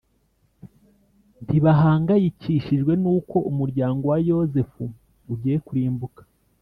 ntibahangayikishijwe n’uko umuryango wa Yozefu ugiye kurimbuka.